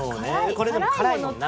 これでも辛いもんな。